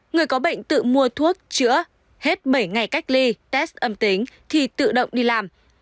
người có bệnh tự mua thuốc chữa hết bảy ngày cách ly test âm tính thì tự động đi làm